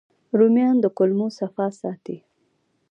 رومیان د کولمو صفا ساتي